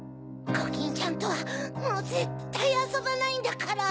コキンちゃんとはもうぜったいあそばないんだから！